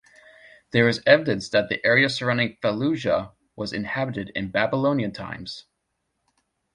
There is evidence that the area surrounding Fallujah was inhabited in Babylonian times.